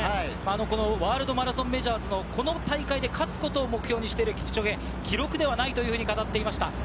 ワールドマラソンメジャーズのこの大会で勝つことを目標にしているキプチョゲ、記録ではないと語っていました。